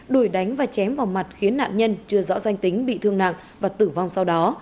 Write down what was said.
đuổi đánh và chém vào mặt khiến nạn nhân chưa rõ danh tính bị thương nặng và tử vong sau đó